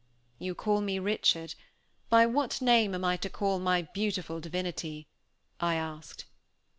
"You call me Richard, by what name am I to call my beautiful divinity?" I asked.